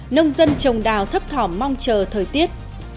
nông dân trồng đào thấp thỏm mong chờ thời tiết